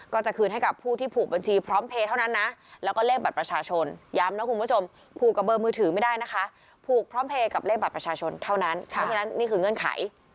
ก็จะคืนให้กับผู้ที่ผูกบัญชีพร้อมเพย์เท่านั้นนะ